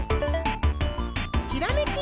ひらめき！